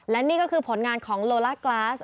และนี่ก็คือผลงานของโลลากลาส